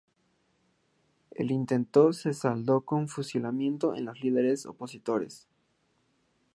El intento se saldó con el fusilamiento de los líderes opositores.